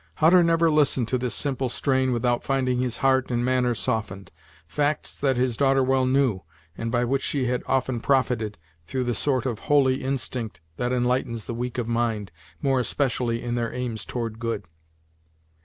Hutter never listened to this simple strain without finding his heart and manner softened; facts that his daughter well knew, and by which she had often profited, through the sort of holy instinct that enlightens the weak of mind, more especially in their aims toward good.